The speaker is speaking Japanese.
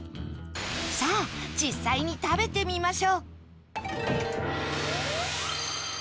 さあ実際に食べてみましょう